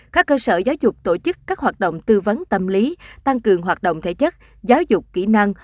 các cơ sở giáo dục tổ chức các hoạt động tư vấn tâm lý tăng cường hoạt động thể chất giáo dục kỹ năng